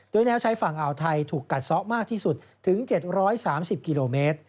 โดยแนวชายฝั่งอ่าวไทยถูกกัดซ้อมากที่สุดถึง๗๓๐กิโลเมตร